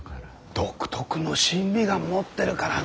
独特の審美眼持ってるからね。